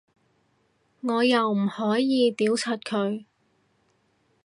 我又唔可以屌柒佢